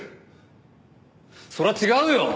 それは違うよ！